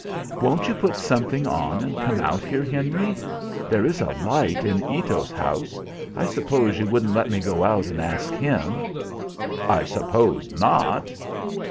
"Won't you put something on and come out here, Henry? There is a light in Ito's house. I suppose you wouldn't let me go out and ask him?" "I suppose not!"